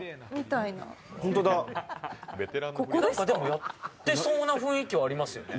やってそうな雰囲気はありますよね。